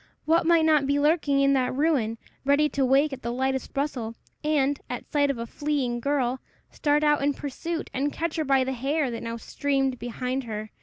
What might not be lurking in that ruin, ready to wake at the lightest rustle, and, at sight of a fleeing girl, start out in pursuit, and catch her by the hair that now streamed behind her!